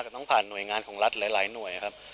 แต่ต้องผ่านหน่วยงานของรัฐหลายหน่วยครับ